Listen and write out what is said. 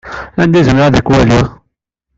Anda ay zemreɣ ad k-waliɣ?